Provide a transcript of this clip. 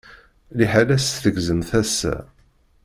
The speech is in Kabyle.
Liḥala-s tgezzem tasa.